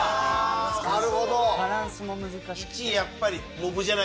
なるほど。